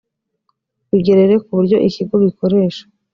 bigerere ku buryo ikigo gikoresha